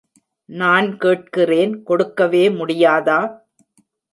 நான் கேட்கிறேன் கொடுக்கவே முடியாதா!